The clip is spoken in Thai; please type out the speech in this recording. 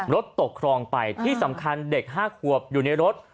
รถตกครองไปที่สำคัญเด็ก๕ขวบอยู่ในรถ